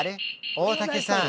大竹さん